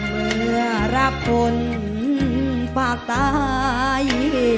เมื่อรักคนปากตาย